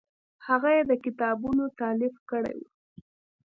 هغه یې د کتابونو تالیف کړی و.